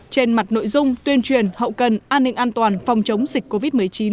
trên mặt nội dung tuyên truyền hậu cần an ninh an toàn phòng chống dịch covid một mươi chín